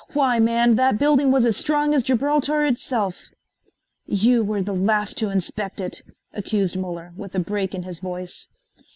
Why man, that building was as strong as Gibraltar itself!" "You were the last to inspect it," accused Muller, with a break in his voice.